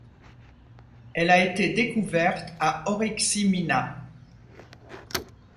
Elle a été découverte à Oriximiná.